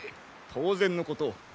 当然のこと。